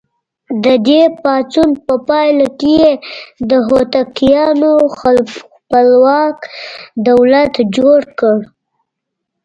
د دې پاڅون په پایله کې یې د هوتکیانو خپلواک دولت جوړ کړ.